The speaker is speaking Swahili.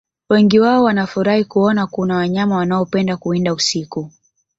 Wengi wao wanafurahi kuona kuna wanyama wanaopenda kuwinda usiku